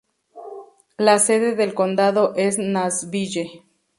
La sede del condado es Nashville.